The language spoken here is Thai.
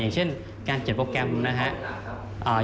อย่างเช่นการเจ็บโปรแกรมนะครับ